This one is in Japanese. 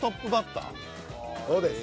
そうです。